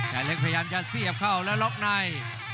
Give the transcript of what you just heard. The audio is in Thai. แต่เล็กพยายามจะเสียบเข้าแล้วล็อกใน